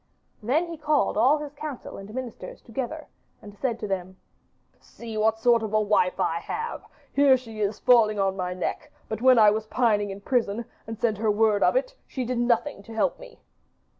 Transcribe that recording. Then he called all his council and ministers together and said to them: 'See what sort of a wife I have. Here she is falling on my neck, but when I was pining in prison and sent her word of it she did nothing to help me.